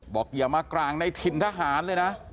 อย่ามากรางในถิ่นทหารเลยนะ